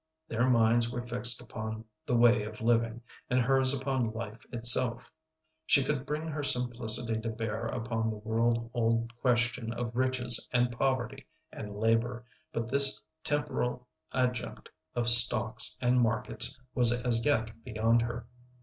Their minds were fixed upon the way of living, and hers upon life itself. She could bring her simplicity to bear upon the world old question of riches and poverty and labor, but this temporal adjunct of stocks and markets was as yet beyond her.